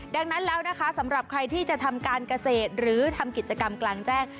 ดังนั้นแล้วนะคะสำหรับใครที่จะทำการเกษตรหรือทำกิจกรรมกลางแจ้ง